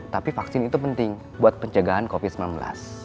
tapi vaksin itu penting buat pencegahan covid sembilan belas